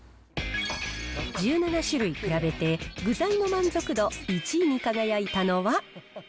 １７種類比べて、具材の満足度１位に輝いたのは。